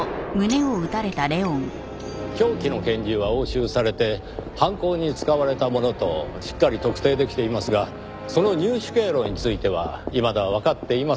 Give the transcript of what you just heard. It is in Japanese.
凶器の拳銃は押収されて犯行に使われたものとしっかり特定できていますがその入手経路についてはいまだわかっていません。